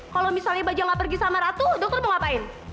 kalau misalnya baja gak pergi sama ratu dokter mau ngapain